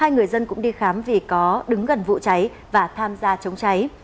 hai người dân cũng đi khám vì có đứng gần vụ cháy và tham gia chống cháy